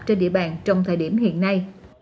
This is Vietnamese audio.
trên địa bàn trong thời điểm hiện nay